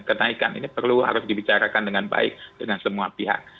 kenaikan ini perlu harus dibicarakan dengan baik dengan semua pihak